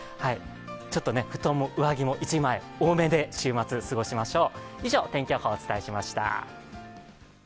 ちょっと布団も上着も１枚多めで週末は過ごしましょう。